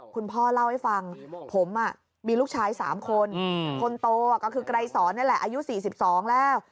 คุณพ่อเล่าให้ฟังผมมีลูกชาย๓คนคนโตก็คือไกรสอนนี่แหละอายุ๔๒แล้ว